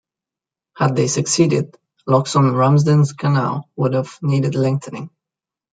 Had they succeeded, locks on Ramsden's Canal would have needed lengthening.